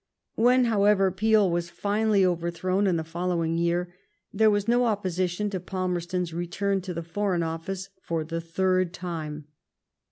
When, however, Peel was finally overthrown in the following year, there was no opposition to Palmerston's return to the Foreign OflBce for the third time.